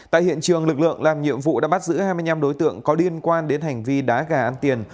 tại hiện trường lực lượng làm nhiệm vụ đã bắt giữ hai mươi năm đối tượng có liên quan đến hành vi đá gà ăn tiền